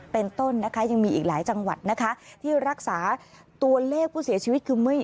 เป็นต้นนะคะยังมีอีกหลายจังหวัดนะคะที่รักษาตัวเลขผู้เสียชีวิตคือเมื่อ